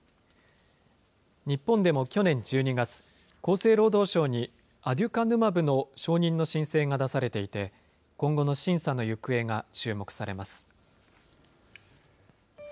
日本でも去年１２月、厚生労働省にアデュカヌマブの承認の申請が出されていて、今後の審査の行方が注目されます。